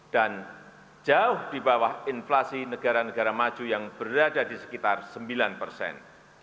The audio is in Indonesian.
dan jauh di bawah inflasi negara negara maju yang berada di sekitar sembilan persen